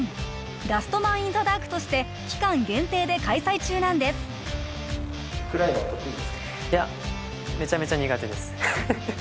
「ラストマン・イン・ザ・ダーク」として期間限定で開催中なんですこんにちはー